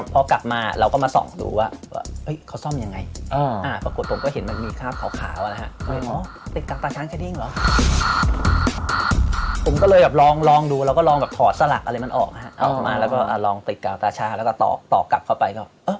พอกลับมาเราก็มาส่องดูว่าเฮ้ยเขาซ่อมยังไง